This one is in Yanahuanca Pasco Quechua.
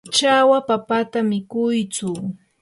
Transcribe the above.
chawa papata mikuytsu.